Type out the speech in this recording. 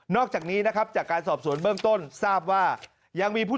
อกจากนี้นะครับจากการสอบสวนเบื้องต้นทราบว่ายังมีผู้